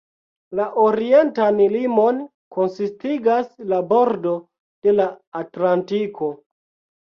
La orientan limon konsistigas la bordo de la Atlantiko.